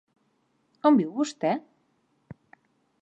On viu vostè?